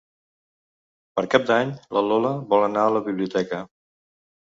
Per Cap d'Any na Lola vol anar a la biblioteca.